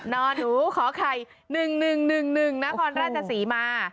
นอนหนูขอไข่๑๑๑๑นครราชศรีมา